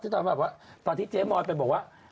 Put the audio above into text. ตอนที่เจ๊มออนไปบอกว่า